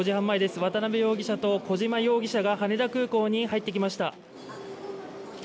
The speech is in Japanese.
渡辺容疑者と小島容疑者が羽田空港に入ってきました。